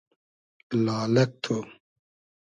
لالئگ تو